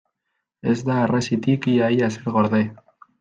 Ez da harresitik ia-ia ezer gorde.